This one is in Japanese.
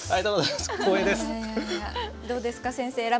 どうですか先生。